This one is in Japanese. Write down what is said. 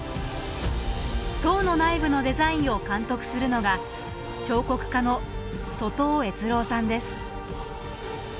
塔の内部のデザインを監督するのが彫刻家の外尾悦郎さんです。